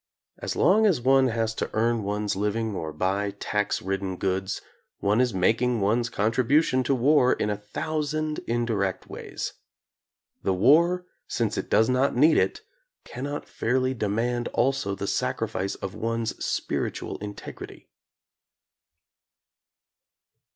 As long as one has to earn one's living or buy tax ridden goods, one is making one's contribution to war in a thousand indirect ways. The war, since it does not need it, cannot fairly demand also the sacrifice of one's spiritual integ rity.